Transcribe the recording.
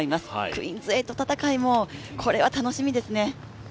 クイーンズ８戦いも、これは楽しみですね。